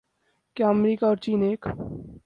کیا امریکہ اور چین ایک